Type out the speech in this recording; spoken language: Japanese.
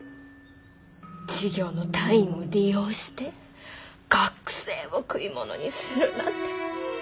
授業の単位を利用して学生を食い物にするなんて。